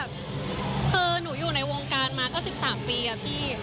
คือหนูอยู่ในวงการมาก็๑๓ปีอะพี่